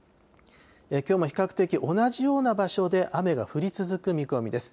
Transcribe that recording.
きょうも比較的同じような場所で雨が降り続く見込みです。